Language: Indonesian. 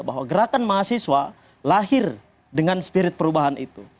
bahwa gerakan mahasiswa lahir dengan spirit perubahan itu